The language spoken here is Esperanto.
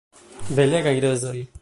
Belegaj rozoj.